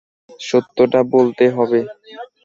সত্যটা বলতে হবে।